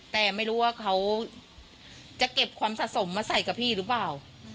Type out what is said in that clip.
แต่ไม่รู้ว่าเขาจะเก็บความสะสมมาใส่กับพี่หรือเปล่า